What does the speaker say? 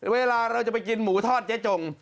เวลาเราจะไปกินหมูทอดเจ๊จง